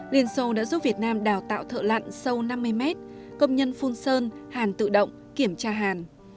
liên xô đã giúp việt nam đào tạo thợ lặn sâu năm mươi mét công nhân phun sơn hàn tự động kiểm tra hàn